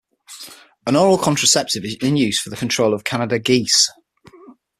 An oral contraceptive is in use for the control of Canada geese.